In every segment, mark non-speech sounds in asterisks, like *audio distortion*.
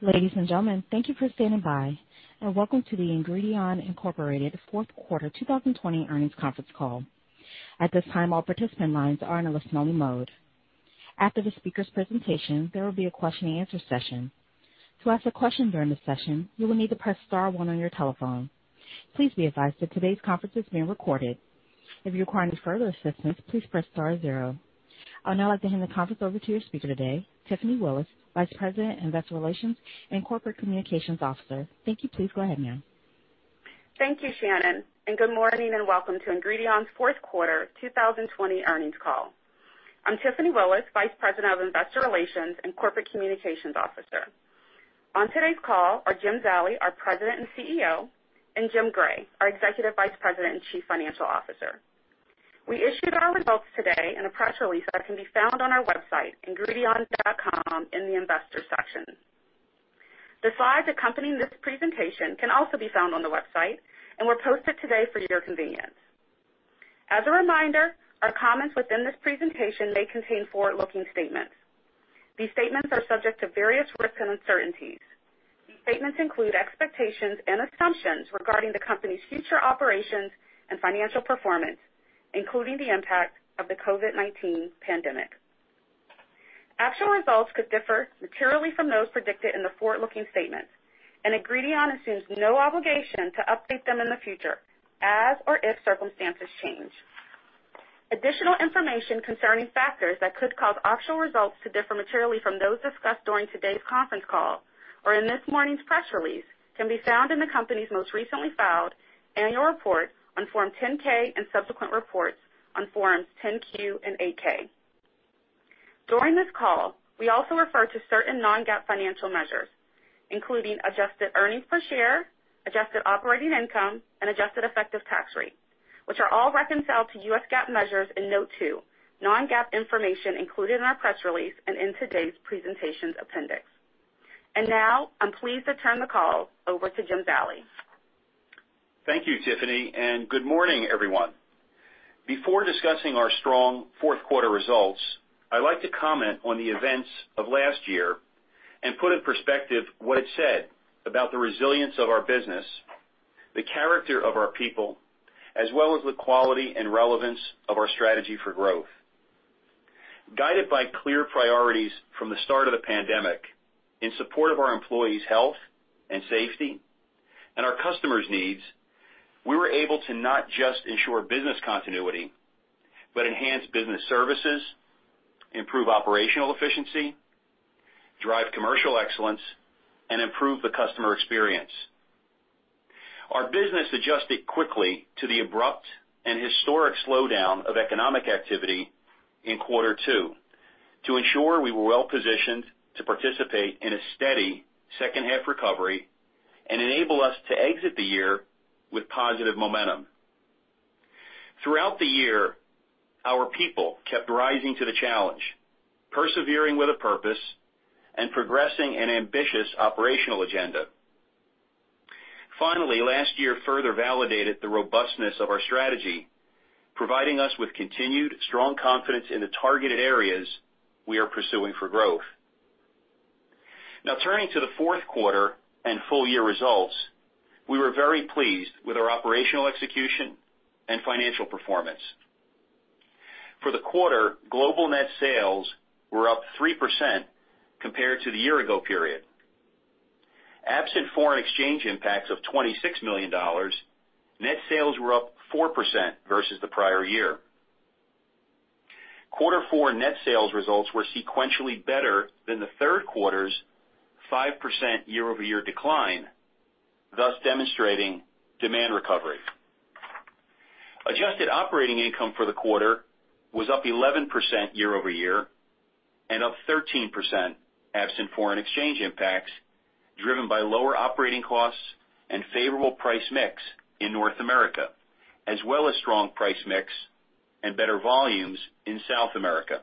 Ladies and gentlemen, thank you for standing by, and welcome to the Ingredion Incorporated fourth quarter 2020 earnings conference call. At this time, all participant lines are in a listen-only mode. After the speakers' presentation, there will be a question and answer session. To ask a question during the session, you will need to press star one on your telephone. Please be advised that today's conference is being recorded. If you require any further assistance, please press star zero. I'll now like to hand the conference over to your speaker today, Tiffany Willis, Vice President, Investor Relations and Corporate Communications Officer. Thank you. Please go ahead, ma'am. Thank you, Shannon, and good morning, and welcome to Ingredion's fourth quarter 2020 earnings call. I'm Tiffany Willis, Vice President of Investor Relations and Corporate Communications Officer. On today's call are Jim Zallie, our President and CEO, and Jim Gray, our Executive Vice President and Chief Financial Officer. We issued our results today in a press release that can be found on our website, ingredion.com, in the Investors section. The slides accompanying this presentation can also be found on the website and were posted today for your convenience. As a reminder, our comments within this presentation may contain forward-looking statements. These statements are subject to various risks and uncertainties. These statements include expectations and assumptions regarding the company's future operations and financial performance, including the impact of the COVID-19 pandemic. Actual results could differ materially from those predicted in the forward-looking statements, and Ingredion assumes no obligation to update them in the future as or if circumstances change. Additional information concerning factors that could cause actual results to differ materially from those discussed during today's conference call or in this morning's press release can be found in the company's most recently filed annual report on Form 10-K and subsequent reports on Forms 10-Q and 8-K. During this call, we also refer to certain non-GAAP financial measures, including adjusted earnings per share, adjusted operating income, and adjusted effective tax rate, which are all reconciled to U.S. GAAP measures in Note 2, non-GAAP information, included in our press release and in today's presentation appendix. Now, I'm pleased to turn the call over to Jim Zallie. Thank you, Tiffany, and good morning, everyone. Before discussing our strong fourth quarter results, I'd like to comment on the events of last year and put in perspective what it said about the resilience of our business, the character of our people, as well as the quality and relevance of our strategy for growth. Guided by clear priorities from the start of the pandemic in support of our employees' health and safety and our customers' needs, we were able to not just ensure business continuity, but enhance business services, improve operational efficiency, drive commercial excellence, and improve the customer experience. Our business adjusted quickly to the abrupt and historic slowdown of economic activity in quarter two to ensure we were well positioned to participate in a steady second half recovery and enable us to exit the year with positive momentum. Throughout the year, our people kept rising to the challenge, persevering with a purpose, and progressing an ambitious operational agenda. Finally, last year further validated the robustness of our strategy, providing us with continued strong confidence in the targeted areas we are pursuing for growth. Turning to the fourth quarter and full year results, we were very pleased with our operational execution and financial performance. For the quarter, global net sales were up 3% compared to the year ago period. Absent foreign exchange impacts of $26 million, net sales were up 4% versus the prior year. Quarter four net sales results were sequentially better than the third quarter's 5% year-over-year decline, thus demonstrating demand recovery. Adjusted operating income for the quarter was up 11% year-over-year, and up 13% absent foreign exchange impacts, driven by lower operating costs and favorable price mix in North America, as well as strong price mix and better volumes in South America.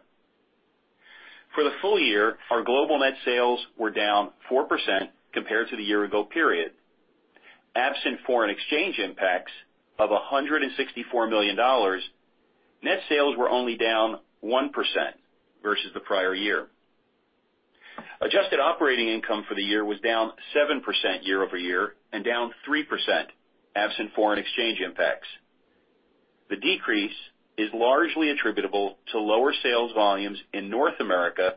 For the full year, our global net sales were down 4% compared to the year ago period. Absent foreign exchange impacts of $164 million, net sales were only down 1% versus the prior year. Adjusted operating income for the year was down 7% year-over-year and down 3% absent foreign exchange impacts. The decrease is largely attributable to lower sales volumes in North America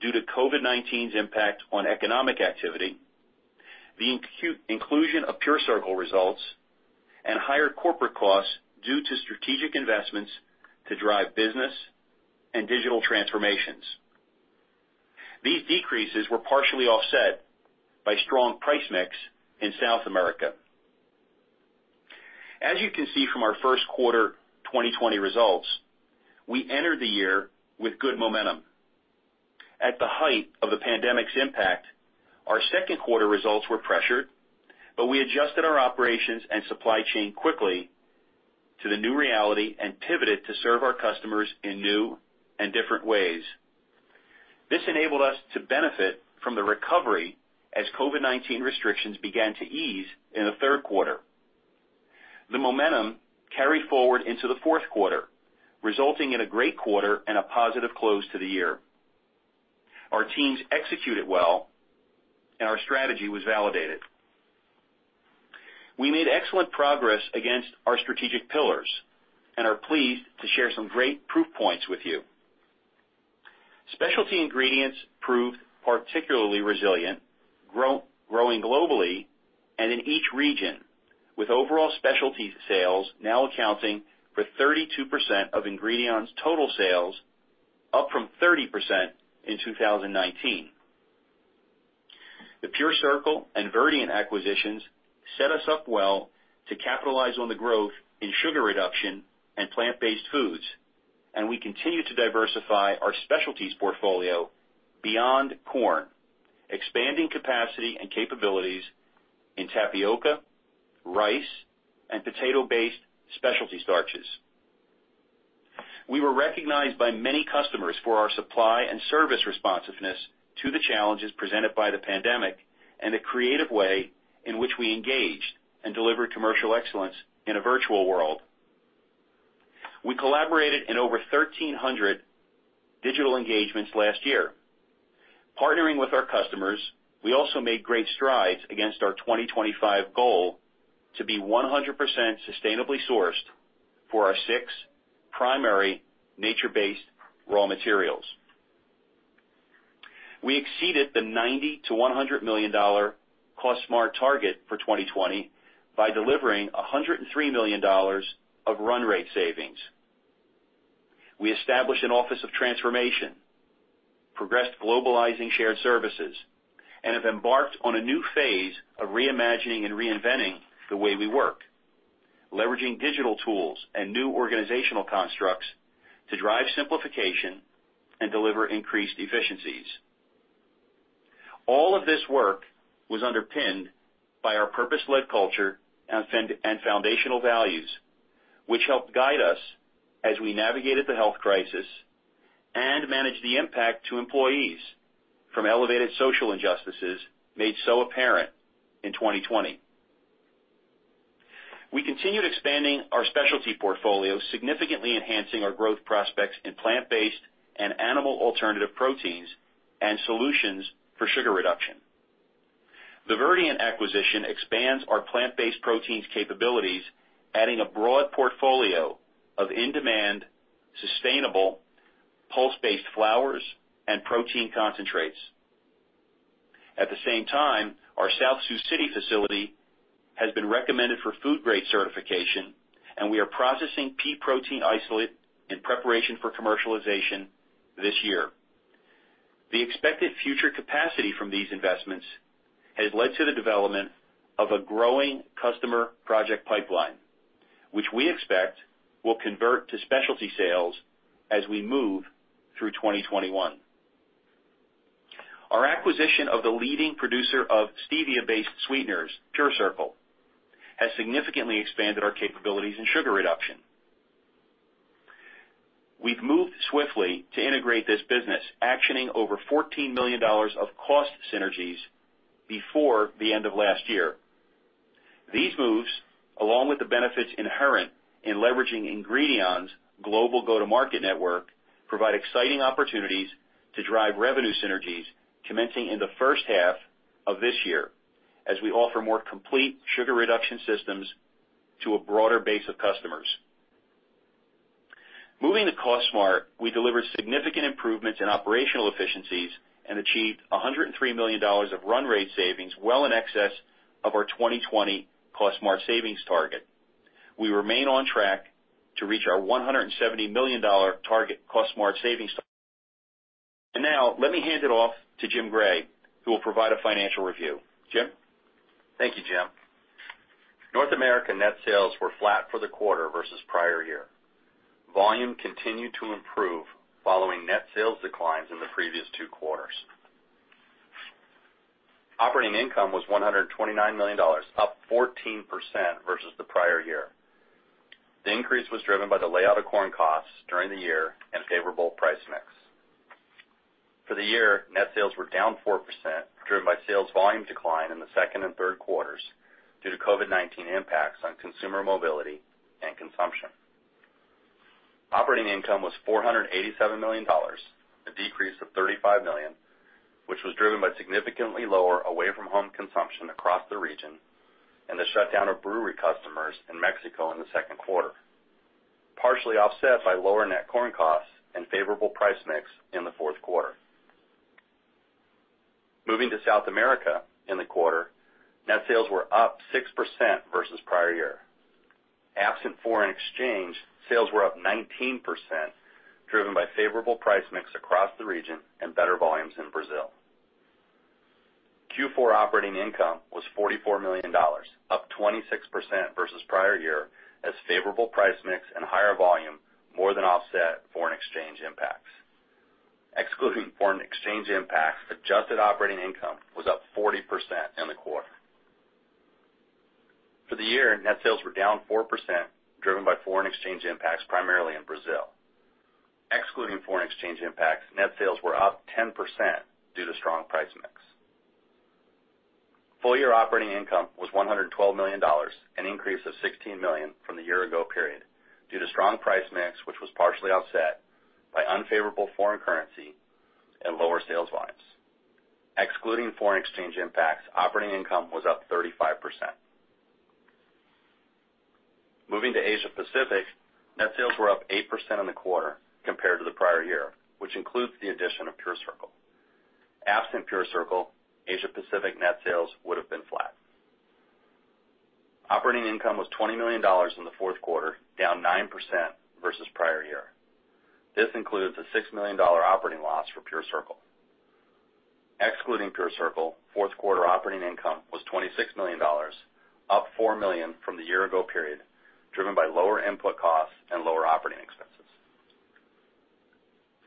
due to COVID-19's impact on economic activity, the inclusion of PureCircle results, and higher corporate costs due to strategic investments to drive business and digital transformations. These decreases were partially offset by strong price mix in South America. As you can see from our first quarter 2020 results, we entered the year with good momentum. At the height of the pandemic's impact, our second quarter results were pressured, but we adjusted our operations and supply chain quickly to the new reality and pivoted to serve our customers in new and different ways. This enabled us to benefit from the recovery as COVID-19 restrictions began to ease in the third quarter. The momentum carried forward into the fourth quarter, resulting in a great quarter and a positive close to the year. Our teams executed well, and our strategy was validated. We made excellent progress against our strategic pillars and are pleased to share some great proof points with you. Specialty ingredients proved particularly resilient, growing globally and in each region, with overall specialty sales now accounting for 32% of Ingredion's total sales, up from 30% in 2019. The PureCircle and Verdient acquisitions set us up well to capitalize on the growth in sugar reduction and plant-based foods. We continue to diversify our specialties portfolio beyond corn, expanding capacity and capabilities in tapioca, rice, and potato-based specialty starches. We were recognized by many customers for our supply and service responsiveness to the challenges presented by the pandemic and the creative way in which we engaged and delivered commercial excellence in a virtual world. We collaborated in over 1,300 digital engagements last year. Partnering with our customers, we also made great strides against our 2025 goal to be 100% sustainably sourced for our six primary nature-based raw materials. We exceeded the $90 million-$100 million Cost Smart target for 2020 by delivering $103 million of run rate savings. We established an office of transformation, progressed globalizing shared services, and have embarked on a new phase of reimagining and reinventing the way we work, leveraging digital tools and new organizational constructs to drive simplification and deliver increased efficiencies. All of this work was underpinned by our purpose-led culture and foundational values, which helped guide us as we navigated the health crisis and managed the impact to employees from elevated social injustices made so apparent in 2020. We continued expanding our specialty portfolio, significantly enhancing our growth prospects in plant-based and animal alternative proteins and solutions for sugar reduction. The Verdient acquisition expands our plant-based proteins capabilities, adding a broad portfolio of in-demand, sustainable, pulse-based flours and protein concentrates. At the same time, our South Sioux City facility has been recommended for food grade certification, and we are processing pea protein isolate in preparation for commercialization this year. The expected future capacity from these investments has led to the development of a growing customer project pipeline, which we expect will convert to specialty sales as we move through 2021. Our acquisition of the leading producer of stevia-based sweeteners, PureCircle, has significantly expanded our capabilities in sugar reduction. We've moved swiftly to integrate this business, actioning over $14 million of cost synergies before the end of last year. These moves, along with the benefits inherent in leveraging Ingredion's global go-to-market network, provide exciting opportunities to drive revenue synergies commencing in the first half of this year, as we offer more complete sugar reduction systems to a broader base of customers. Moving to Cost Smart, we delivered significant improvements in operational efficiencies and achieved $103 million of run rate savings, well in excess of our 2020 Cost Smart savings target. We remain on track to reach our $170 million target Cost Smart savings. Now, let me hand it off to Jim Gray, who will provide a financial review. Jim. Thank you, Jim. North America net sales were flat for the quarter versus prior year. Volume continued to improve following net sales declines in the previous two quarters. Operating income was $129 million, up 14% versus the prior year. The increase was driven by the layout of corn costs during the year and favorable price mix. For the year, net sales were down 4%, driven by sales volume decline in the second and third quarters due to COVID-19 impacts on consumer mobility and consumption. Operating income was $487 million, a decrease of $35 million, which was driven by significantly lower away-from-home consumption across the region and the shutdown of brewery customers in Mexico in the second quarter, partially offset by lower net corn costs and favorable price mix in the fourth quarter. Moving to South America, in the quarter, net sales were up 6% versus prior year. Absent foreign exchange, sales were up 19%, driven by favorable price mix across the region and better volumes in Brazil. Q4 operating income was $44 million, up 26% versus prior year, as favorable price mix and higher volume more than offset foreign exchange impacts. Excluding foreign exchange impacts, adjusted operating income was up 40% in the quarter. For the year, net sales were down 4%, driven by foreign exchange impacts primarily in Brazil. Excluding foreign exchange impacts, net sales were up 10% due to strong price mix. Full year operating income was $112 million, an increase of $16 million from the year ago period due to strong price mix, which was partially offset by unfavorable foreign currency and lower sales volumes. Excluding foreign exchange impacts, operating income was up 35%. Moving to Asia-Pacific, net sales were up 8% in the quarter compared to the prior year, which includes the addition of PureCircle. Absent PureCircle, Asia-Pacific net sales would've been flat. Operating income was $20 million in the fourth quarter, down 9% versus prior year. This includes a $6 million operating loss for PureCircle. Excluding PureCircle, fourth quarter operating income was $26 million, up $4 million from the year-ago period, driven by lower input costs and lower operating expenses.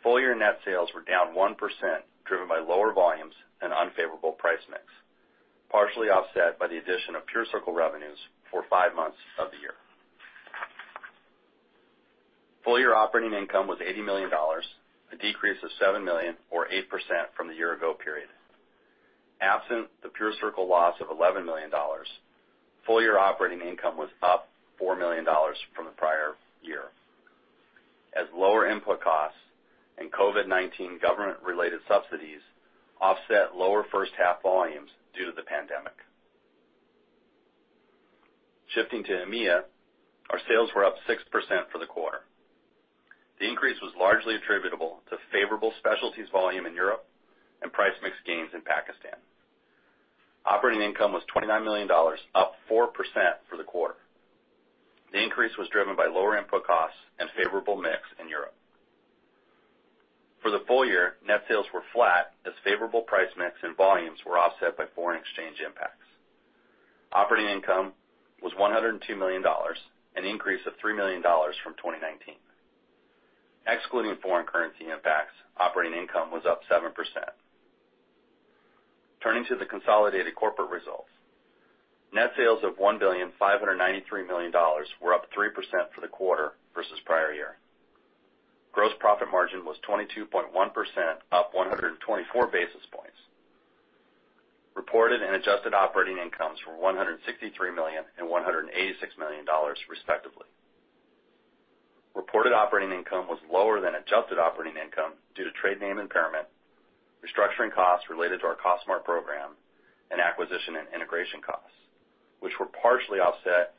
Full year net sales were down 1%, driven by lower volumes and unfavorable price mix, partially offset by the addition of PureCircle revenues for five months of the year. Full year operating income was $80 million, a decrease of $7 million, or 8% from the year-ago period. Absent the PureCircle loss of $11 million, full year operating income was up $4 million from the prior year, as lower input costs and COVID-19 government related subsidies offset lower first half volumes due to the pandemic. Shifting to EMEA, our sales were up 6% for the quarter. The increase was largely attributable to favorable specialties volume in Europe and price mix gains in Pakistan. Operating income was $29 million, up 4% for the quarter. The increase was driven by lower input costs and favorable mix in Europe. For the full year, net sales were flat as favorable price mix and volumes were offset by foreign exchange impacts. Operating income was $102 million, an increase of $3 million from 2019. Excluding foreign currency impacts, operating income was up 7%. Turning to the consolidated corporate results. Net sales of $1.593 billion were up 3% for the quarter versus prior year. Gross profit margin was 22.1%, up 124 basis points. Reported and adjusted operating incomes were $163 million and $186 million respectively. Reported operating income was lower than adjusted operating income due to trade name impairment, restructuring costs related to our Cost Smart program, and acquisition and integration costs, which were partially offset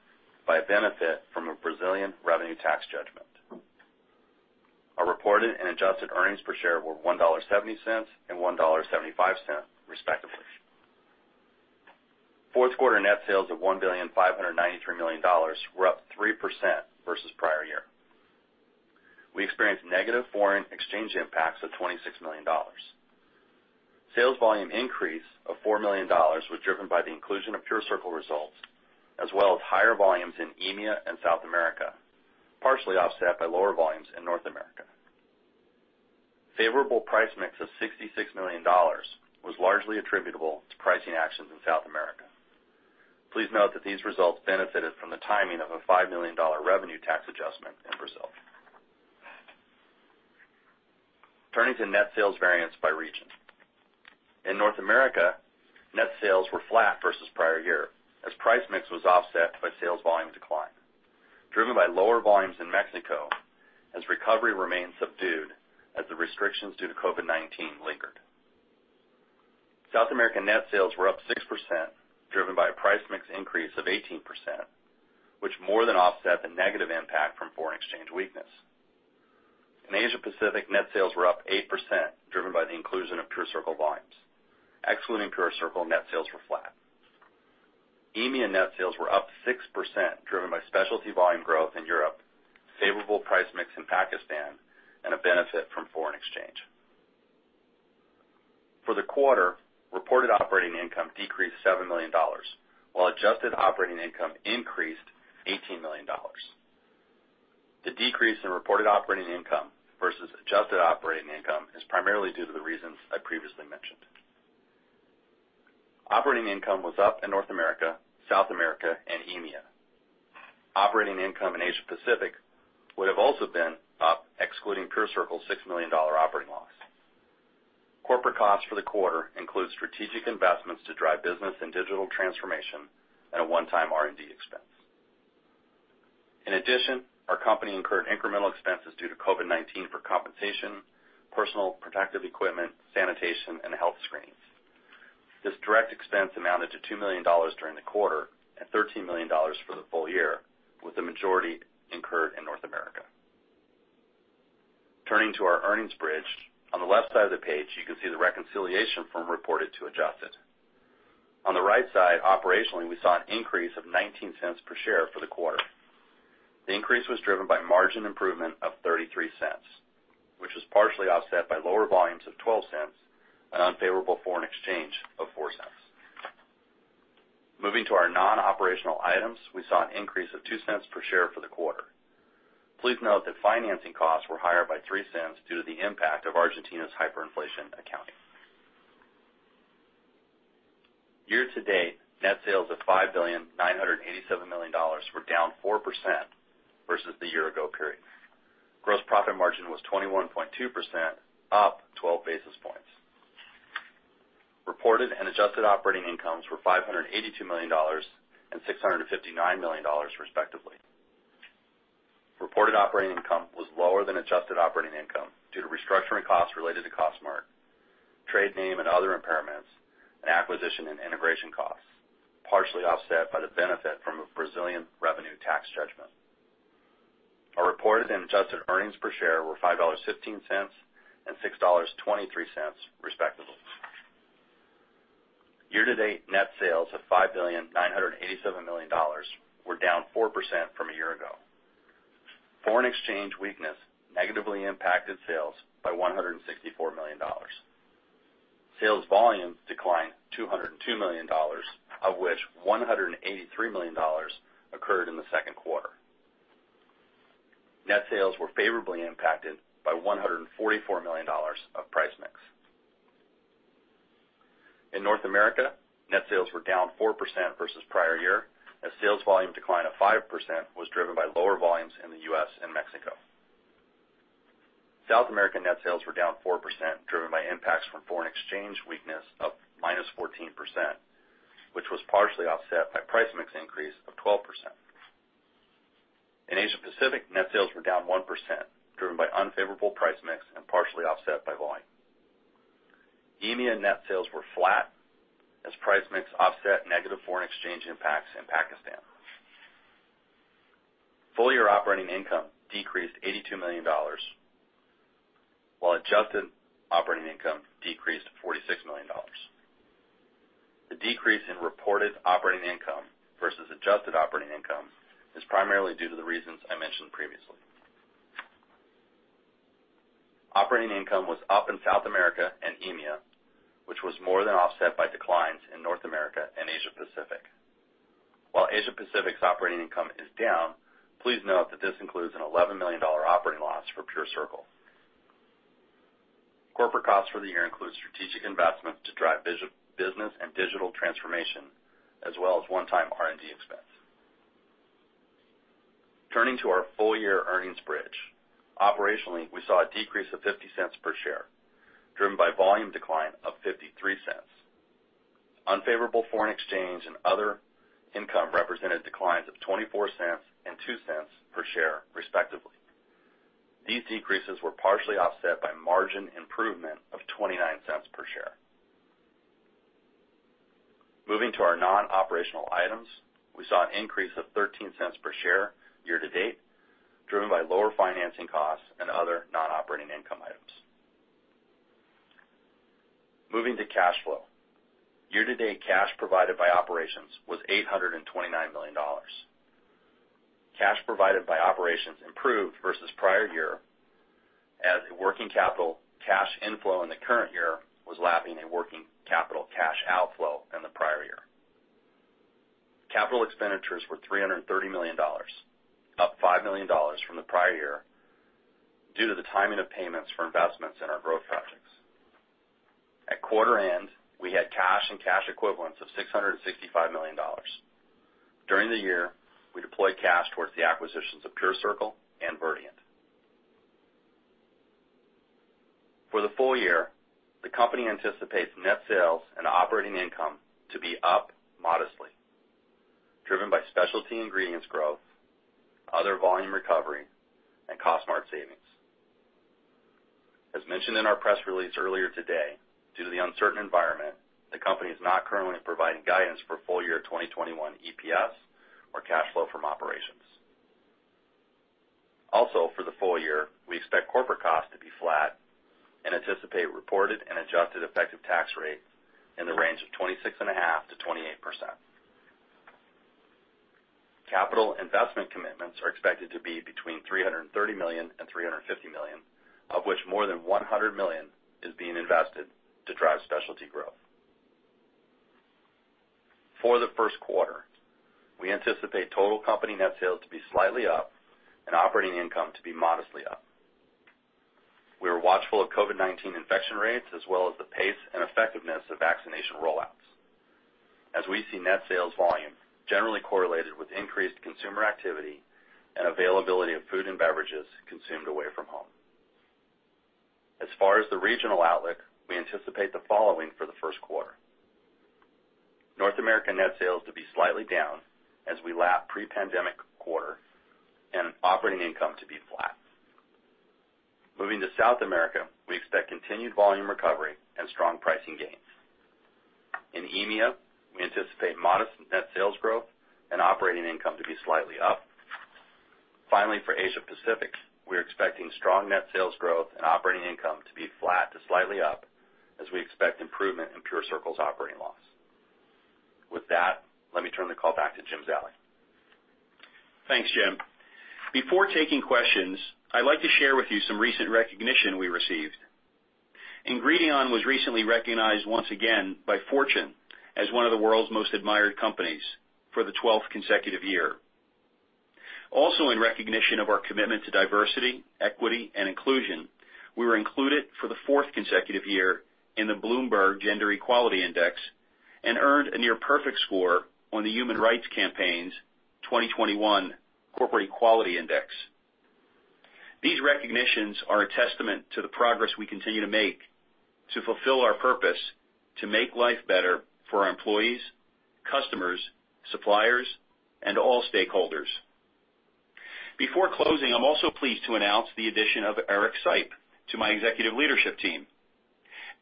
by a benefit from a Brazilian revenue tax judgment. Our reported and adjusted earnings per share were $1.70 and $1.75 respectively. Fourth quarter net sales of $1.593 billion were up 3% versus prior year. We experienced negative foreign exchange impacts of $26 million. Sales volume increase of $4 million was driven by the inclusion of PureCircle results, as well as higher volumes in EMEA and South America, partially offset by lower volumes in North America. Favorable price mix of $66 million was largely attributable to pricing actions in South America. Please note that these results benefited from the timing of a $5 million revenue tax adjustment in Brazil. Turning to net sales variance by region. In North America, net sales were flat versus prior year, as price mix was offset by sales volume decline, driven by lower volumes in Mexico as recovery remains subdued as the restrictions due to COVID-19 lingered. South American net sales were up 6%, driven by a price mix increase of 18%, which more than offset the negative impact from foreign exchange weakness. In Asia-Pacific, net sales were up 8%, driven by the inclusion of PureCircle volumes. Excluding PureCircle, net sales were flat. EMEA net sales were up 6%, driven by specialty volume growth in Europe, favorable price mix in Pakistan, and a benefit from foreign exchange. For the quarter, reported operating income decreased $7 million, while adjusted operating income increased $18 million. The decrease in reported operating income versus adjusted operating income is primarily due to the reasons I previously mentioned. Operating income was up in North America, South America, and EMEA. Operating income in Asia-Pacific would have also been up, excluding PureCircle $6 million operating loss. Corporate costs for the quarter include strategic investments to drive business and digital transformation at a one-time R&D expense. In addition, our company incurred incremental expenses due to COVID-19 for compensation, personal protective equipment, sanitation, and health screenings. This direct expense amounted to $2 million during the quarter and $13 million for the full year, with the majority incurred in North America. Turning to our earnings bridge. On the left side of the page, you can see the reconciliation from reported to adjusted. On the right side, operationally, we saw an increase of $0.19 per share for the quarter. The increase was driven by margin improvement of $0.33, which was partially offset by lower volumes of $0.12 and unfavorable foreign exchange of $0.04. Moving to our non-operational items, we saw an increase of $0.02 per share for the quarter. Please note that financing costs were higher by $0.03 due to the impact of Argentina's hyperinflation accounting. Year-to-date, net sales of $5.987 billion were down 4% versus the year-ago period. Gross profit margin was 21.2%, up 12 basis points. Reported and adjusted operating incomes were $582 million and $659 million respectively. Reported operating income was lower than adjusted operating income due to restructuring costs related to Cost Smart, trade name and other impairments, and acquisition and integration costs, partially offset by the benefit from a Brazilian revenue tax judgment. Our reported and adjusted earnings per share were $5.15 and $6.23 respectively. Year-to-date net sales of $5.987 billion were down 4% from a year ago. Foreign exchange weakness negatively impacted sales by $164 million. Sales volumes declined $202 million, of which $183 million occurred in the second quarter. Net sales were favorably impacted by $144 million of price mix. In North America, net sales were down 4% versus prior year, as sales volume decline of 5% was driven by lower volumes in the U.S. and Mexico. South American net sales were down 4%, driven by impacts from foreign exchange weakness of -14%, which was partially offset by price mix increase of 12%. In Asia-Pacific, net sales were down 1%, driven by unfavorable price mix and partially offset by volume. EMEA net sales were flat as price mix offset negative foreign exchange impacts in Pakistan. Full-year operating income decreased $82 million, while adjusted operating income decreased $46 million. The decrease in reported operating income versus adjusted operating income is primarily due to the reasons I mentioned previously. Operating income was up in South America and EMEA, which was more than offset by declines in North America and Asia-Pacific. While Asia-Pacific's operating income is down, please note that this includes an $11 million operating loss for PureCircle. Corporate costs for the year include strategic investments to drive business and digital transformation, as well as one-time R&D expense. Turning to our full-year earnings bridge. Operationally, we saw a decrease of $0.50 per share, driven by volume decline of $0.53. Unfavorable foreign exchange and other income represented declines of $0.24 and $0.02 per share, respectively. These decreases were partially offset by margin improvement of $0.29 per share. Moving to our non-operational items, we saw an increase of $0.13 per share year to date, driven by lower financing costs and other non-operating income items. Moving to cash flow. Year to date cash provided by operations was $829 million. Cash provided by operations improved versus prior year as a working capital cash inflow in the current year was lapping a working capital cash outflow in the prior year. Capital expenditures were $330 million, up $5 million from the prior year, due to the timing of payments for investments in our growth projects. At quarter end, we had cash and cash equivalents of $665 million. During the year, we deployed cash towards the acquisitions of PureCircle and Verdient. For the full year, the company anticipates net sales and operating income to be up modestly, driven by specialty ingredients growth, other volume recovery, and Cost Smart savings. As mentioned in our press release earlier today, due to the uncertain environment, the company is not currently providing guidance for full year 2021 EPS or cash flow from operations. Also, for the full year, we expect corporate costs to be flat and anticipate reported and adjusted effective tax rates in the range of 26.5%-28%. Capital investment commitments are expected to be between $330 million and $350 million, of which more than $100 million is being invested to drive specialty growth. For the first quarter, we anticipate total company net sales to be slightly up and operating income to be modestly up. We are watchful of COVID-19 infection rates, as well as the pace and effectiveness of vaccination rollouts, as we see net sales volume generally correlated with increased consumer activity and availability of food and beverages consumed away from home. As far as the regional outlook, we anticipate the following for the first quarter. North American net sales to be slightly down as we lap pre-pandemic quarter, and operating income to be flat. Moving to South America, we expect continued volume recovery and strong pricing gains. In EMEA, we anticipate modest net sales growth and operating income to be slightly up. Finally, for Asia-Pacific, we're expecting strong net sales growth and operating income to be flat to slightly up as we expect improvement in PureCircle's operating loss. With that, let me turn the call back to Jim Zallie. Thanks, Jim. Before taking questions, I'd like to share with you some recent recognition we received. Ingredion was recently recognized once again by Fortune as one of the world's most admired companies for the 12th consecutive year. Also in recognition of our commitment to diversity, equity, and inclusion, we were included for the fourth consecutive year in the Bloomberg Gender-Equality Index and earned a near perfect score on the Human Rights Campaign's 2021 Corporate Equality Index. These recognitions are a testament to the progress we continue to make to fulfill our purpose, to make life better for our employees, customers, suppliers, and all stakeholders. Before closing, I'm also pleased to announce the addition of Eric Seip to my executive leadership team.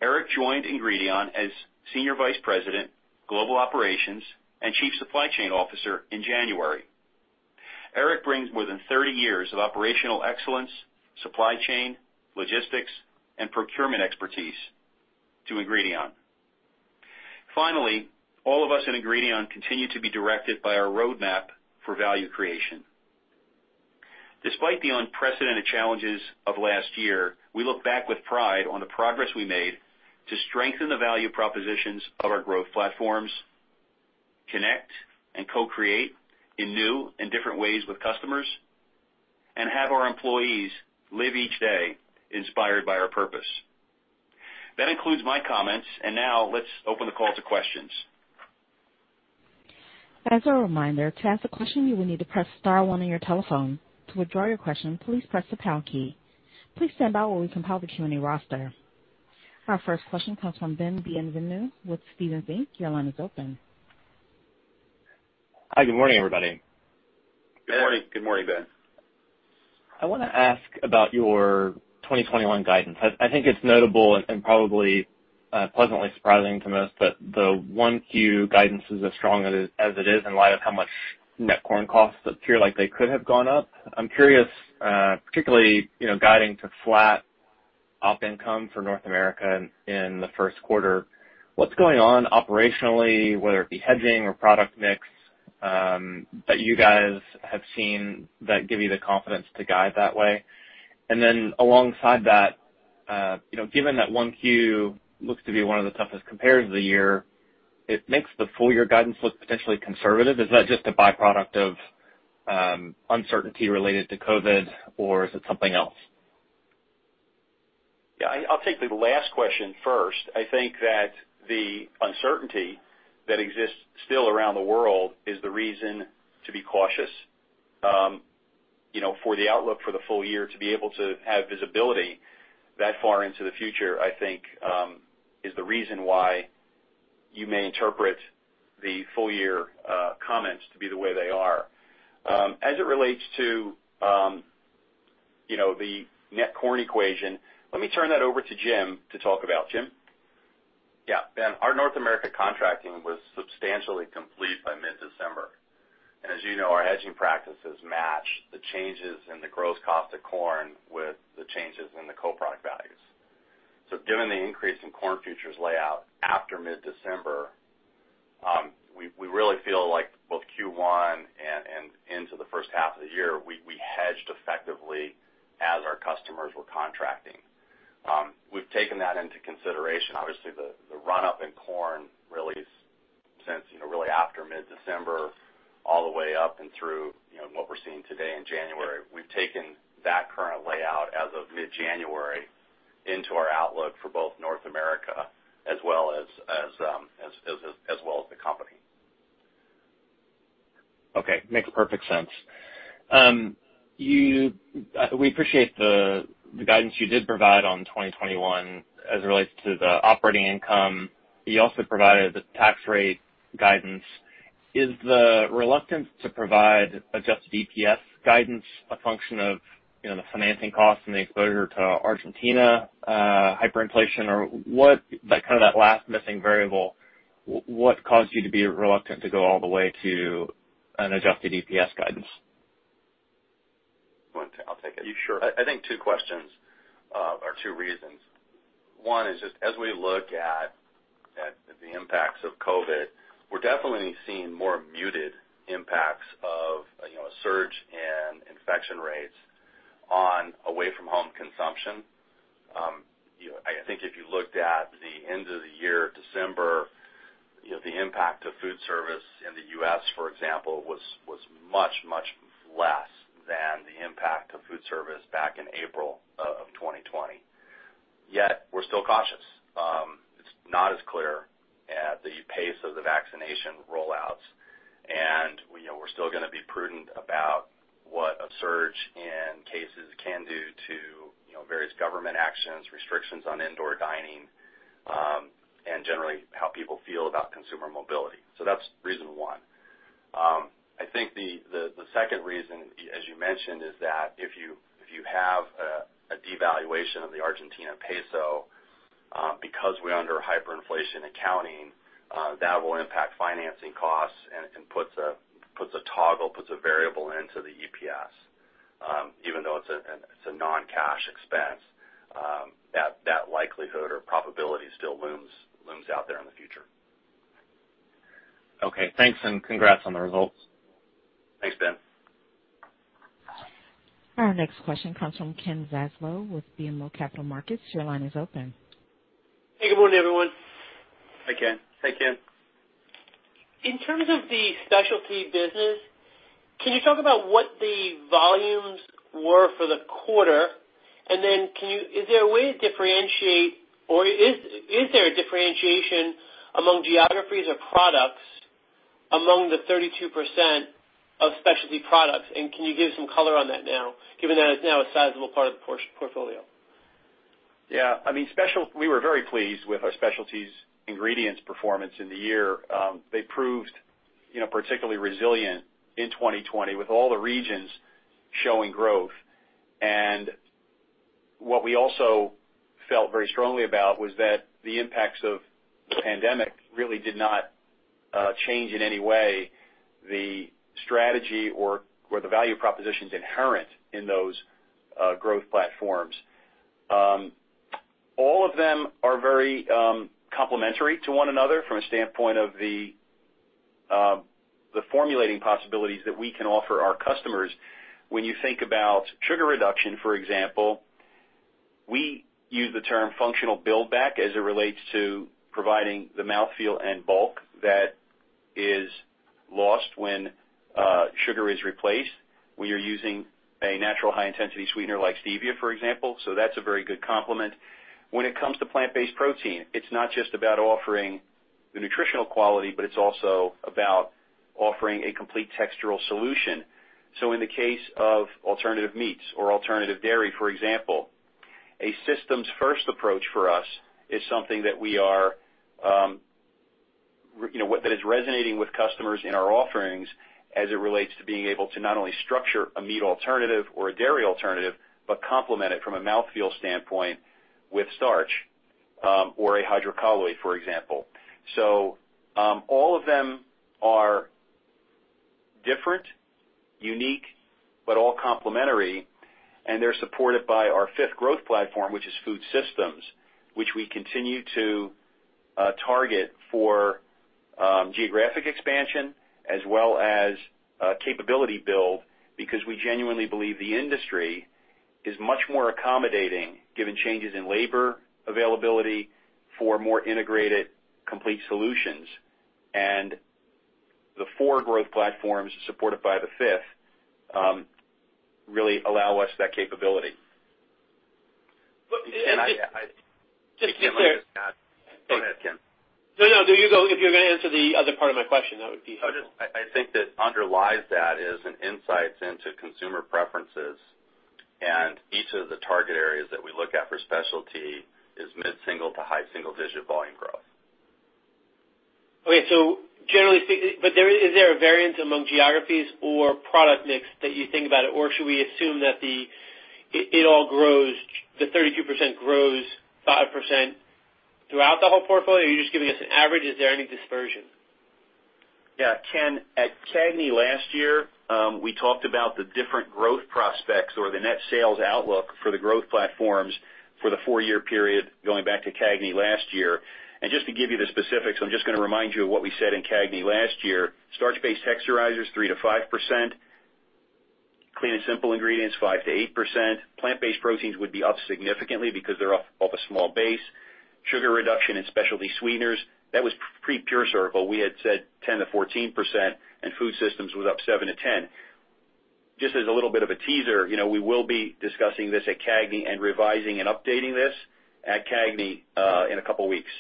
Eric joined Ingredion as Senior Vice President, Global Operations and Chief Supply Chain Officer in January. Eric brings more than 30 years of operational excellence, supply chain, logistics, and procurement expertise to Ingredion. Finally, all of us at Ingredion continue to be directed by our roadmap for value creation. Despite the unprecedented challenges of last year, we look back with pride on the progress we made to strengthen the value propositions of our growth platforms, connect and co-create in new and different ways with customers, and have our employees live each day inspired by our purpose. That includes my comments, and now let's open the call to questions. As a reminder, to ask a question, you will need to press star one on your telephone. To withdraw your question, please press the pound key. Please stand by while we compile the Q&A roster. Our first question comes from Ben Bienvenu with Stephens Inc. Your line is open. Hi, good morning, everybody. Good morning, Ben. I want to ask about your 2021 guidance. I think it's notable and probably pleasantly surprising to most that the 1Q guidance is as strong as it is in light of how much net corn costs appear like they could have gone up. I'm curious, particularly guiding to flat op income for North America in the first quarter, what's going on operationally, whether it be hedging or product mix, that you guys have seen that give you the confidence to guide that way? Alongside that, given that 1Q looks to be one of the toughest compares of the year, it makes the full year guidance look potentially conservative. Is that just a byproduct of uncertainty related to COVID, or is it something else? Yeah, I'll take the last question first. I think that the uncertainty that exists still around the world is the reason to be cautious. For the outlook for the full year, to be able to have visibility that far into the future, I think, is the reason why you may interpret the full year comments to be the way they are. As it relates to the net corn equation, let me turn that over to Jim to talk about. Jim? Yeah. Ben, our North America contracting was substantially complete by mid-December. As you know, our hedging practices match the changes in the gross cost of corn with the changes in the co-product values. Given the increase in corn futures layout after mid-December, we really feel like both Q1 and into the first half of the year, we hedged effectively as our customers were contracting. We've taken that into consideration. The run-up in corn really since, really after mid-December, all the way up and through what we're seeing today in January, we've taken that current layout as of mid-January into our outlook for both North America as well as the company. Okay. Makes perfect sense. We appreciate the guidance you did provide on 2021 as it relates to the operating income. You also provided the tax rate guidance. Is the reluctance to provide adjusted EPS guidance a function of the financing costs and the exposure to Argentina hyperinflation, or what, kind of that last missing variable, what caused you to be reluctant to go all the way to an adjusted EPS guidance? I'll take it. Sure. I think two questions or two reasons. One is just as we look at the impacts of COVID, we're definitely seeing more muted impacts of a surge in infection rates on away-from-home consumption. I think if you looked at the end of the year, December, the impact of food service in the U.S., for example, was much, much less than the impact of food service back in April of 2020. We're still cautious. It's not as clear at the pace of the vaccination rollouts, and we're still going to be prudent about what a surge in cases can do to various government actions, restrictions on indoor dining, and generally how people feel about consumer mobility. That's reason one. I think the second reason, as you mentioned, is that if you have a devaluation of the Argentine peso, because we're under hyperinflation accounting, that will impact financing costs and puts a toggle, puts a variable into the EPS. Even though it's a non-cash expense, that likelihood or probability still looms out there in the future. Okay, thanks. Congrats on the results. Thanks, Ben. Our next question comes from Ken Zaslow with BMO Capital Markets. Your line is open. Hey, good morning, everyone. Hi, Ken. Hi, Ken. In terms of the specialty business, can you talk about what the volumes were for the quarter? Is there a way to differentiate, or is there a differentiation among geographies or products among the 32% of specialty products? Can you give some color on that now, given that it's now a sizable part of the portfolio? Yeah. We were very pleased with our specialties ingredients performance in the year. They proved particularly resilient in 2020, with all the regions showing growth. What we also felt very strongly about was that the impacts of the pandemic really did not change in any way the strategy or the value propositions inherent in those growth platforms. All of them are very complementary to one another from a standpoint of the formulating possibilities that we can offer our customers. When you think about sugar reduction, for example, we use the term functional build back as it relates to providing the mouthfeel and bulk that is lost when sugar is replaced, when you're using a natural high-intensity sweetener like stevia, for example. That's a very good complement. When it comes to plant-based protein, it's not just about offering the nutritional quality, but it's also about offering a complete textural solution. In the case of alternative meats or alternative dairy, for example, a systems first approach for us is something that is resonating with customers in our offerings as it relates to being able to not only structure a meat alternative or a dairy alternative, but complement it from a mouthfeel standpoint with starch or a hydrocolloid, for example. All of them are different, unique, but all complementary, and they're supported by our fifth growth platform, which is Food Systems, which we continue to target for geographic expansion as well as capability build, because we genuinely believe the industry is much more accommodating, given changes in labor availability, for more integrated, complete solutions. The four growth platforms, supported by the fifth, really allow us that capability. *crosstalk* Go ahead, Ken. No, no. If you're going to answer the other part of my question, that would be helpful. I think that underlies that is an insight into consumer preferences, and each of the target areas that we look at for specialty is mid-single to high single-digit volume growth. Okay. Is there a variance among geographies or product mix that you think about, or should we assume that the 32% grows 5% throughout the whole portfolio? Are you just giving us an average? Is there any dispersion? Yeah, Ken, at CAGNY last year, we talked about the different growth prospects or the net sales outlook for the growth platforms for the four-year period going back to CAGNY last year. Just to give you the specifics, I'm just going to remind you of what we said in CAGNY last year. Starch-based texturizers, 3%-5%, clean and simple ingredients, 5%-8%. Plant-based proteins would be up significantly because they're off a small base. Sugar reduction and specialty sweeteners, that was pre-PureCircle. We had said 10%-14%, and Food Systems was up 7%-10%. Just as a little bit of a teaser, we will be discussing this at CAGNY and revising and updating this at CAGNY in a couple of weeks.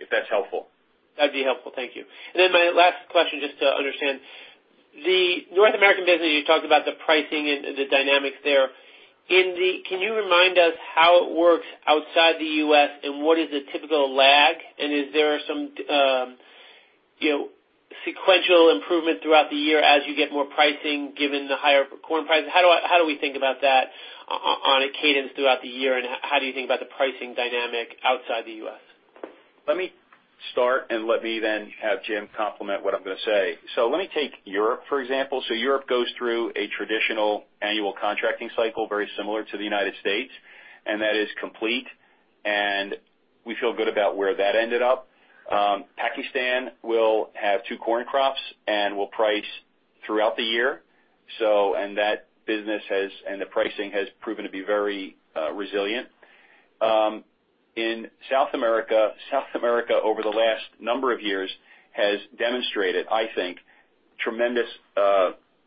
If that's helpful. That'd be helpful. Thank you. My last question, just to understand. The North American business, you talked about the pricing and the dynamics there. Can you remind us how it works outside the U.S., and what is the typical lag? Is there some sequential improvement throughout the year as you get more pricing, given the higher corn prices? How do we think about that on a cadence throughout the year, and how do you think about the pricing dynamic outside the U.S.? Let me start, let me then have Jim complement what I'm going to say. Let me take Europe, for example. Europe goes through a traditional annual contracting cycle, very similar to the United States, that is complete, we feel good about where that ended up. Pakistan will have two corn crops and will price throughout the year. The pricing has proven to be very resilient. In South America, over the last number of years, has demonstrated, I think, tremendous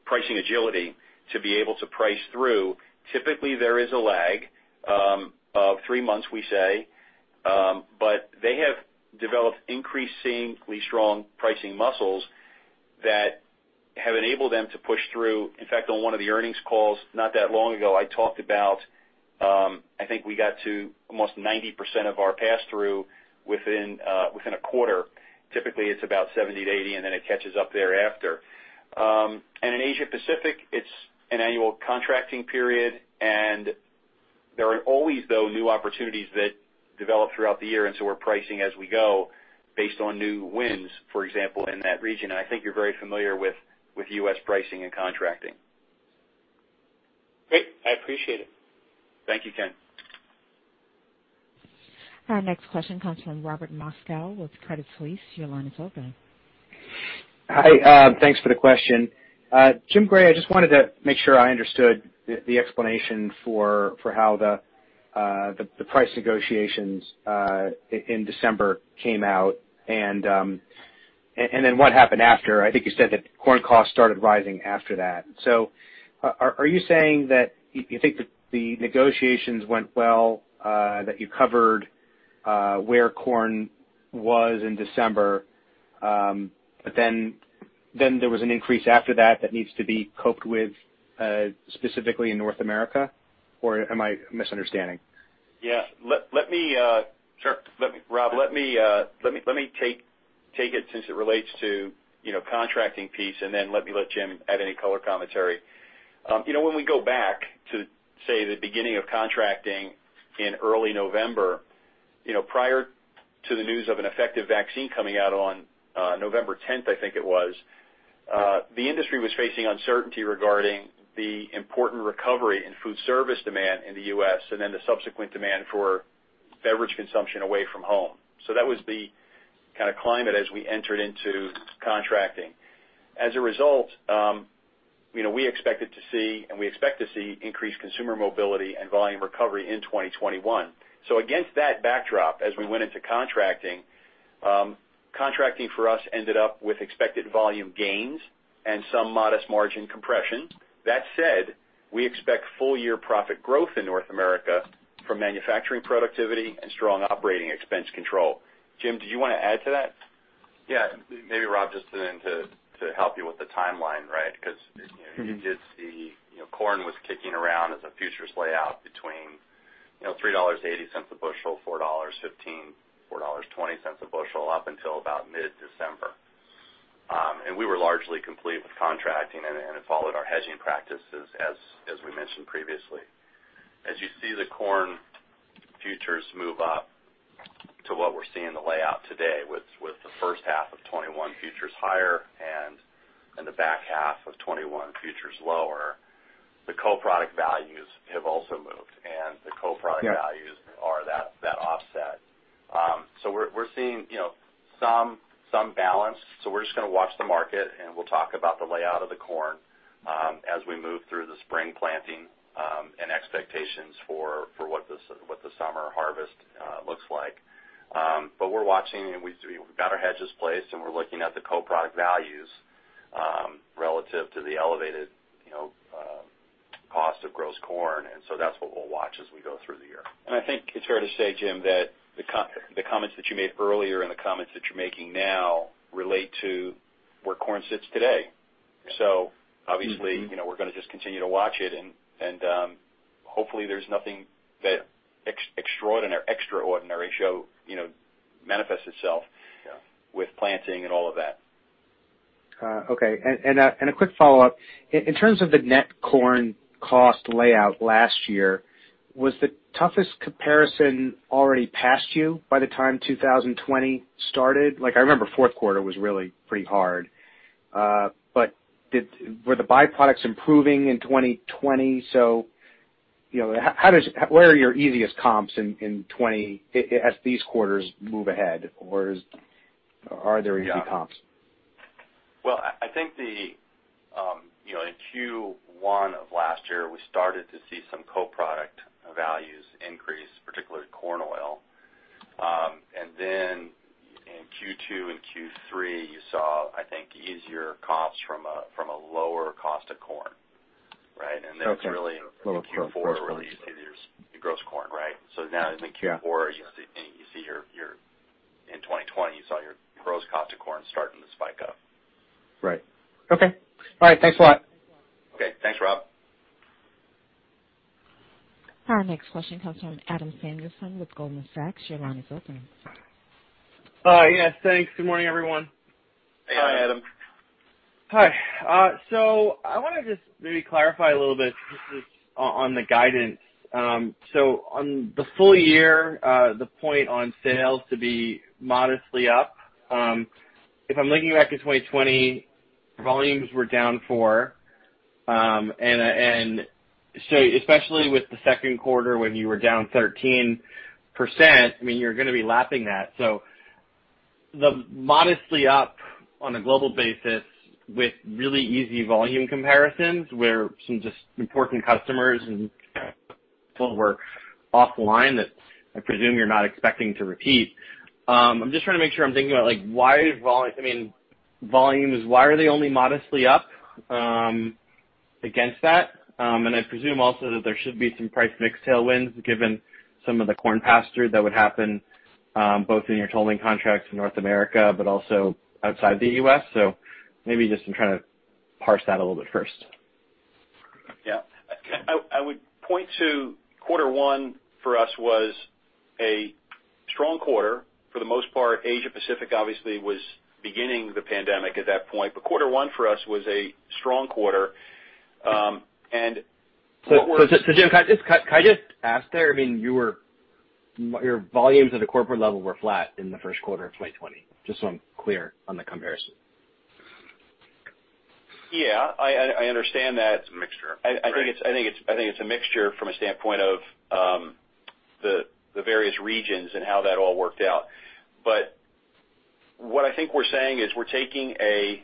pricing agility to be able to price through. Typically, there is a lag of three months, we say, they have developed increasingly strong pricing muscles that have enabled them to push through. In fact, on one of the earnings calls not that long ago, I talked about, I think we got to almost 90% of our passthrough within a quarter. Typically, it's about 70%-80%, and then it catches up thereafter. In Asia-Pacific, it's an annual contracting period, and there are always, though, new opportunities that develop throughout the year, and so we're pricing as we go based on new wins, for example, in that region. I think you're very familiar with U.S. pricing and contracting. Great. I appreciate it. Thank you, Ken. Our next question comes from Robert Moskow with Credit Suisse. Your line is open. Hi. Thanks for the question. Jim Gray, I just wanted to make sure I understood the explanation for how the price negotiations in December came out and then what happened after. I think you said that corn costs started rising after that. Are you saying that you think that the negotiations went well, that you covered where corn was in December, but then there was an increase after that that needs to be coped with, specifically in North America? Or am I misunderstanding? Yeah. Rob, let me take it since it relates to contracting piece, and then let me let Jim add any color commentary. When we go back to, say, the beginning of contracting in early November, prior to the news of an effective vaccine coming out on November 10th, I think it was, the industry was facing uncertainty regarding the important recovery in food service demand in the U.S. and then the subsequent demand for beverage consumption away from home. That was the kind of climate as we entered into contracting. As a result, we expected to see, and we expect to see increased consumer mobility and volume recovery in 2021. Against that backdrop, as we went into contracting for us ended up with expected volume gains and some modest margin compression. That said, we expect full year profit growth in North America from manufacturing productivity and strong operating expense control. Jim, do you want to add to that? Yeah. Maybe, Rob, just to help you with the timeline, right? You did see corn was kicking around as a futures layout between $3.80 a bushel, $4.15, $4.20 a bushel up until about mid-December. We were largely complete with contracting and had followed our hedging practices as we mentioned previously. As you see the corn futures move up to what we're seeing the layout today with the first half of 2021 futures higher and the back half of 2021 futures lower, the co-product values have also moved, and the co-product values are that offset. We're just going to watch the market, and we'll talk about the layout of the corn as we move through the spring planting and expectations for what the summer harvest looks like. We're watching, and we've got our hedges placed, and we're looking at the co-product values relative to the elevated cost of gross corn. That's what we'll watch as we go through the year. I think it's fair to say, Jim, that the comments that you made earlier and the comments that you're making now relate to where corn sits today. Yeah. Obviously, we're going to just continue to watch it, and hopefully there's nothing that extraordinary manifests itself. Yeah -with planting and all of that. Okay. A quick follow-up. In terms of the net corn cost layout last year, was the toughest comparison already past you by the time 2020 started? I remember fourth quarter was really pretty hard. Were the byproducts improving in 2020? Where are your easiest comps as these quarters move ahead, or are there easy comps? I think in Q1 of last year, we started to see some co-product values increase, particularly corn oil. In Q2 and Q3, you saw, I think, easier comps from a lower cost of corn, right? Okay. It's really. Lower gross corn Q4 where really you see your gross corn, right? Yeah You see in 2020, you saw your gross cost of corn starting to spike up. Right. Okay. All right. Thanks a lot. Okay. Thanks, Rob. Our next question comes from Adam Samuelson with Goldman Sachs. Your line is open. Yes, thanks. Good morning, everyone. Hi, Adam. Hi. I want to just maybe clarify a little bit just on the guidance. On the full year, the point on sales to be modestly up. If I'm looking back to 2020, volumes were down four. Especially with the second quarter, when you were down 13%, I mean, you're going to be lapping that. The modestly up on a global basis with really easy volume comparisons, where some just important customers. *audio distortion* work offline, I presume you're not expecting to repeat. I'm just thinking to make sure I'm thinking about like why volumes- I mean volumes, why are they only modestly up against that? I presume also that there should be some price/mix tailwinds given some of the corn pass-through that would happen both in your tolling contracts in North America, but also outside the U.S. So maybe just I'm trying to parse that a little bit first. I would point to quarter one for us was a strong quarter. For the most part, Asia-Pacific obviously was beginning the pandemic at that point. Quarter one for us was a strong quarter. Jim, can I just ask there? Your volumes at a corporate level were flat in the first quarter of 2020, just so I'm clear on the comparison. Yeah, I understand that. It's a mixture. I think it's a mixture from a standpoint of the various regions and how that all worked out. What I think we're saying is we're taking an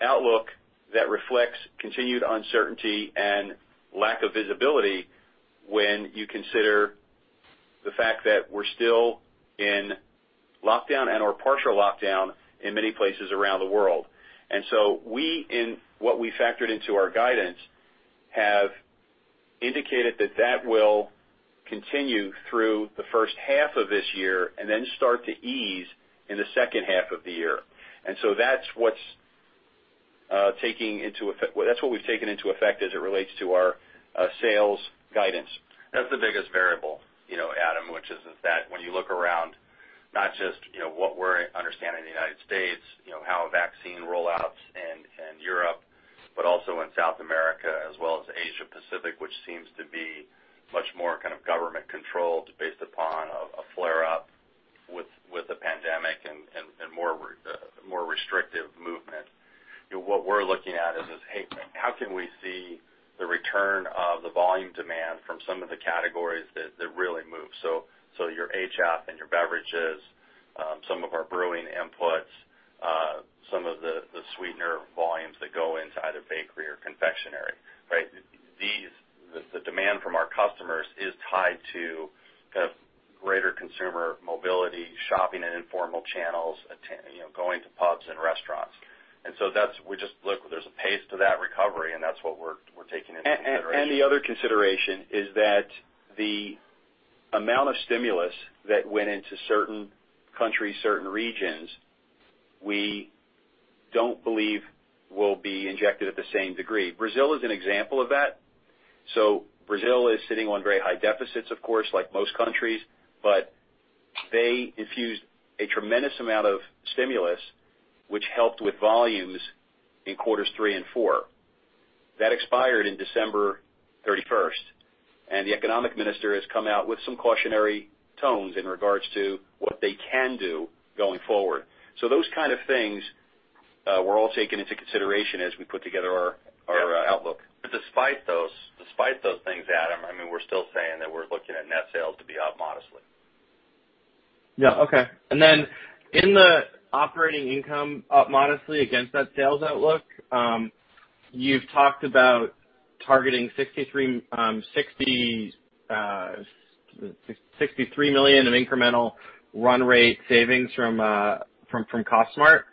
outlook that reflects continued uncertainty and lack of visibility when you consider the fact that we're still in lockdown and/or partial lockdown in many places around the world. What we factored into our guidance have indicated that that will continue through the first half of this year and then start to ease in the second half of the year. That's what we've taken into effect as it relates to our sales guidance. That's the biggest variable, Adam, which is that when you look around, not just what we're understanding in the United States, how vaccine rollouts in Europe, but also in South America as well as Asia-Pacific, which seems to be much more kind of government controlled based upon a flare up with the pandemic and more restrictive movement. What we're looking at is this, hey, how can we see the return of the volume demand from some of the categories that really move? Your HFCS and your beverages, some of our brewing inputs, some of the sweetener volumes that go into either bakery or confectionery, right? The demand from our customers is tied to kind of greater consumer mobility, shopping in informal channels, going to pubs and restaurants. There's a pace to that recovery, and that's what we're taking into consideration. The other consideration is that the amount of stimulus that went into certain countries, certain regions, we don't believe will be injected at the same degree. Brazil is an example of that. Brazil is sitting on very high deficits, of course, like most countries, but they infused a tremendous amount of stimulus, which helped with volumes in quarters three and four. That expired in December 31st, and the economic minister has come out with some cautionary tones in regards to what they can do going forward. Those kind of things were all taken into consideration as we put together our outlook. Despite those things, Adam, we're still saying that we're looking at net sales to be up modestly. Yeah. Okay. In the operating income up modestly against that sales outlook, you've talked about targeting $63 million of incremental run rate savings from Cost Smart.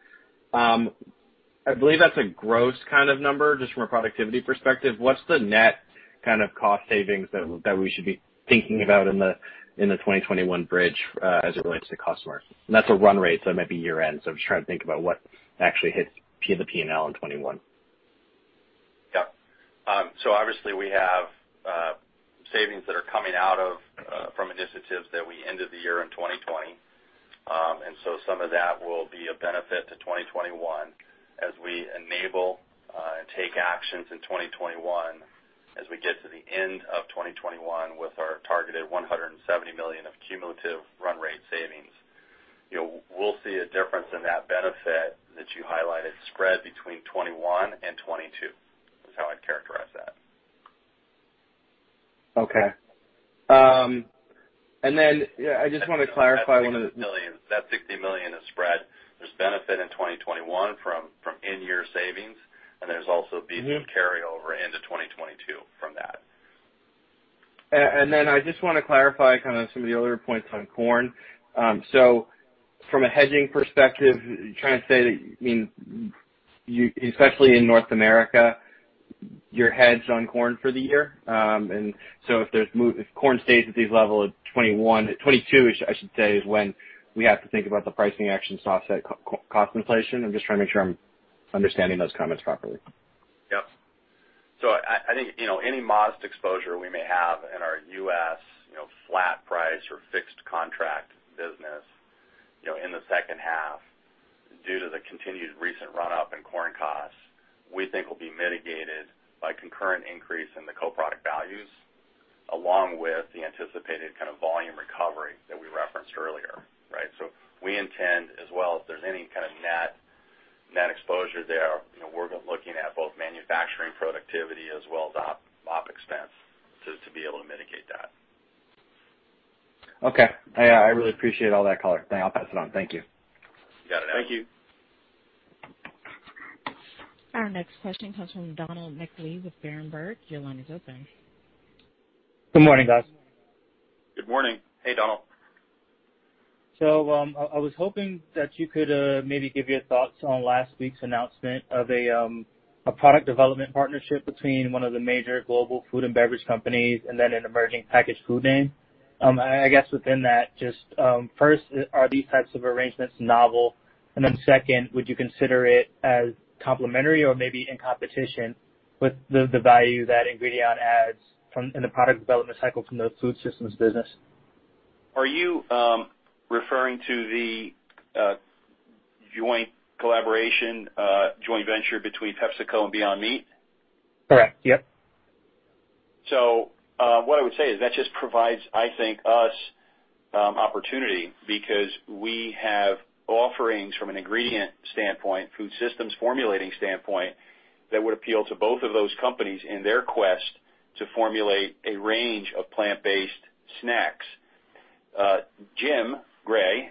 I believe that's a gross kind of number, just from a productivity perspective. What's the net kind of cost savings that we should be thinking about in the 2021 bridge as it relates to Cost Smart? That's a run rate, so it might be year-end. I'm just trying to think about what actually hits the P&L in 2021. Yeah. Obviously we have savings that are coming out from initiatives that we ended the year in 2020. Some of that will be of benefit to 2021 as we enable and take actions in 2021 as we get to the end of 2021 with our targeted $170 million of cumulative run rate savings. We'll see a difference in that benefit that you highlighted spread between 2021 and 2022, is how I'd characterize that. Okay. I just want to clarify one of the. That $60 million is spread. There's benefit in 2021 from in-year savings. There's also a piece of carryover into 2022 from that. I just want to clarify some of the other points on corn. From a hedging perspective, you're trying to say that, especially in North America, you're hedged on corn for the year? If corn stays at these level of 2021, 2022, I should say, is when we have to think about the pricing actions to offset cost inflation? I'm just trying to make sure I'm understanding those comments properly. Yep. I think any modest exposure we may have in our U.S. flat price or fixed contract business in the second half, due to the continued recent run-up in corn costs, we think will be mitigated by concurrent increase in the co-product values, along with the anticipated kind of volume recovery that we referenced earlier, right? We intend as well, if there's any kind of net exposure there, we're looking at both manufacturing productivity as well as op expense to be able to mitigate that. Okay. I really appreciate all that color. I'll pass it on. Thank you. You got it, Adam. Thank you. Our next question comes from Donald McLee with Berenberg. Your line is open. Good morning, guys. Good morning. Hey, Donald. I was hoping that you could maybe give your thoughts on last week's announcement of a product development partnership between one of the major global food and beverage companies and then an emerging packaged food name. I guess within that, just first, are these types of arrangements novel? Second, would you consider it as complementary or maybe in competition with the value that Ingredion adds in the product development cycle from the Food Systems business? Are you referring to the joint collaboration, joint venture between PepsiCo and Beyond Meat? Correct. Yep. What I would say is that just provides, I think, us opportunity because we have offerings from an ingredient standpoint, food systems formulating standpoint, that would appeal to both of those companies in their quest to formulate a range of plant-based snacks. Jim Gray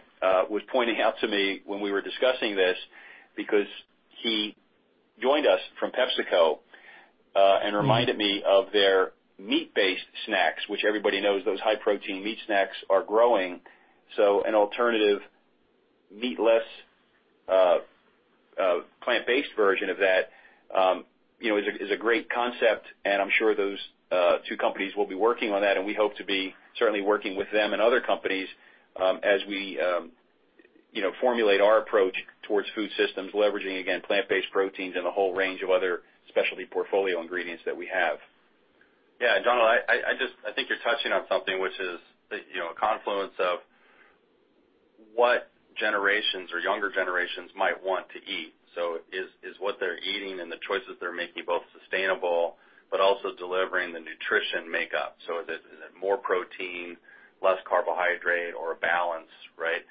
was pointing out to me when we were discussing this because he joined us from PepsiCo and reminded me of their meat-based snacks, which everybody knows those high protein meat snacks are growing. An alternative meatless, plant-based version of that is a great concept, and I'm sure those two companies will be working on that, and we hope to be certainly working with them and other companies as we formulate our approach towards food systems, leveraging, again, plant-based proteins and a whole range of other specialty portfolio ingredients that we have. Yeah, Donald, I think you're touching on something which is a confluence of what generations or younger generations might want to eat. Is what they're eating and the choices they're making both sustainable, but also delivering the nutrition makeup. Is it more protein, less carbohydrate or a balance, right?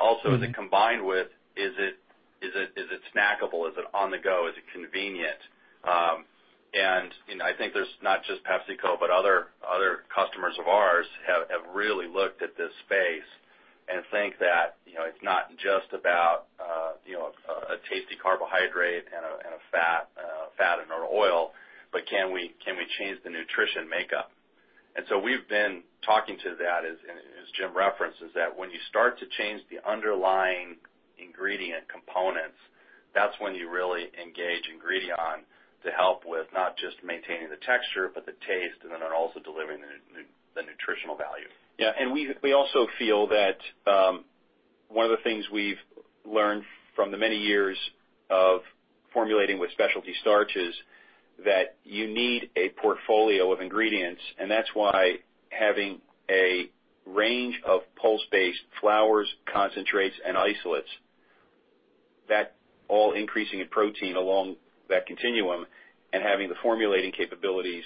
Also, is it combined with, is it snackable? Is it on the go? Is it convenient? I think there's not just PepsiCo, but other customers of ours have really looked at this space and think that it's not just about a tasty carbohydrate and a fat or oil, but can we change the nutrition makeup? We've been talking to that, as Jim referenced, is that when you start to change the underlying ingredient components, that's when you really engage Ingredion to help with not just maintaining the texture, but the taste, and then also delivering the nutritional value. Yeah. We also feel that one of the things we've learned from the many years of formulating with specialty starches, that you need a portfolio of ingredients, and that's why having a range of pulse-based flours, concentrates, and isolates, that all increasing in protein along that continuum and having the formulating capabilities,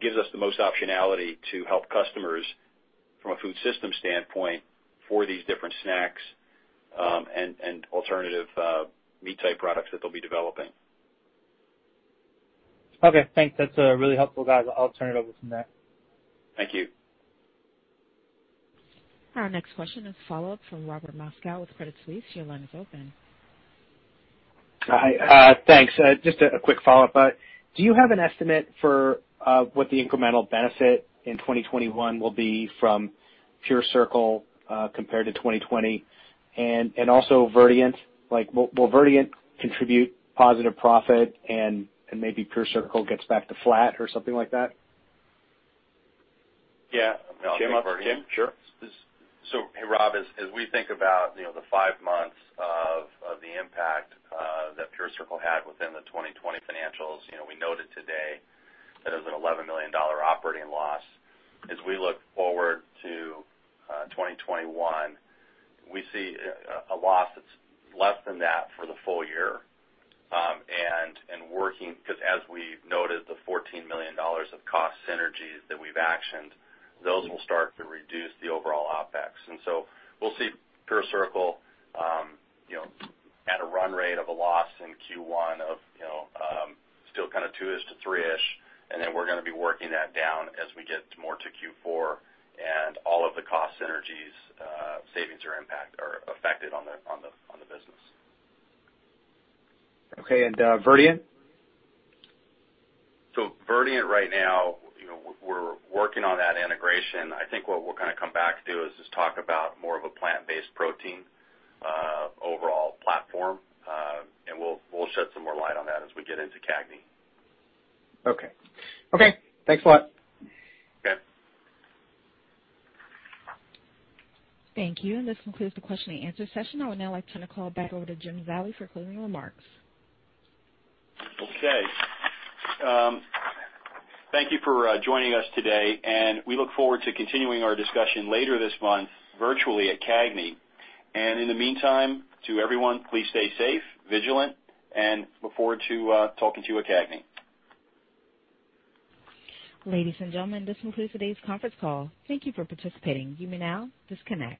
gives us the most optionality to help customers from a food systems standpoint for these different snacks, and alternative meat-type products that they'll be developing. Okay, thanks. That's really helpful, guys. I'll turn it over from there. Thank you. Our next question is a follow-up from Robert Moskow with Credit Suisse. Your line is open. Hi. Thanks. Just a quick follow-up. Do you have an estimate for what the incremental benefit in 2021 will be from PureCircle compared to 2020? Also Verdient, will Verdient contribute positive profit and maybe PureCircle gets back to flat or something like that? Yeah. Jim, sure. Rob, as we think about the five months of the impact that PureCircle had within the 2020 financials, we noted today that it was an $11 million operating loss. As we look forward to 2021, we see a loss that's less than that for the full year. Working, because as we've noted, the $14 million of cost synergies that we've actioned, those will start to reduce the overall OpEx. We'll see PureCircle at a run rate of a loss in Q1 of still two-ish to three-ish. Then we're going to be working that down as we get more to Q4 and all of the cost synergies, savings or impact are affected on the business. Okay. Verdient? Verdient right now, we're working on that integration. I think what we'll come back to is just talk about more of a plant-based protein overall platform. We'll shed some more light on that as we get into CAGNY. Okay. Thanks a lot. Okay. Thank you. This concludes the question and answer session. I would now like to turn the call back over to Jim Zallie for closing remarks. Okay. Thank you for joining us today. We look forward to continuing our discussion later this month virtually at CAGNY. In the meantime, to everyone, please stay safe, vigilant, and look forward to talking to you at CAGNY. Ladies and gentlemen, this concludes today's conference call. Thank you for participating. You may now disconnect.